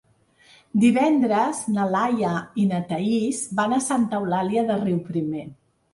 Divendres na Laia i na Thaís van a Santa Eulàlia de Riuprimer.